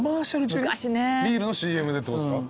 ビールのＣＭでってことですか？